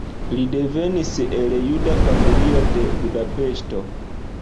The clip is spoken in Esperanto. Li devenis el juda familio de Budapeŝto.